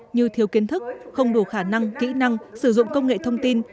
như thiếu kiến thức không đủ khả năng kỹ năng sử dụng công nghệ thông tin